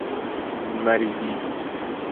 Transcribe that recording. مریدی